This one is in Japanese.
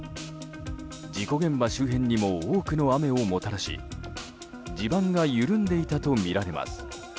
事故現場周辺にも多くの雨をもたらし地盤が緩んでいたとみられています。